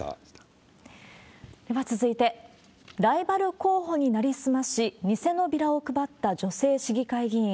では続いて、ライバル候補に成り済まし、偽のビラを配った女性市議会議員。